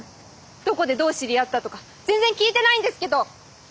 どこでどう知り合ったとか全然聞いてないんですけど！